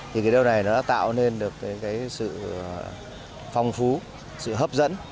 thì cái điều này nó đã tạo nên được cái sự phong phú sự hấp dẫn